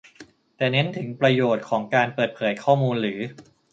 แต่เน้นถึงประโยชน์ของการเปิดเผยข้อมูลหรือ